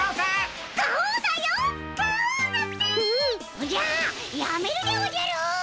おじゃっやめるでおじゃるっ！